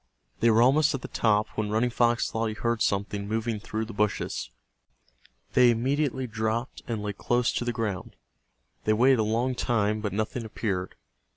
They were almost at the top when Running Fox thought he heard something moving through the bushes. They immediately dropped and lay close to the ground. They waited a long time, but nothing appeared.